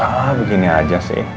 ya nggak begini aja sih